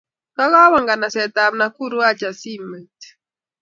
Kakawe nganaset ab Nakuru acha simoit